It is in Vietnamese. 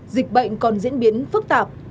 dịch bệnh còn diễn biến phức tạp